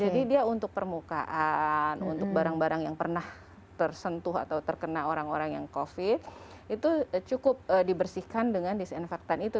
jadi dia untuk permukaan untuk barang barang yang pernah tersentuh atau terkena orang orang yang covid itu cukup dibersihkan dengan disinfektan itu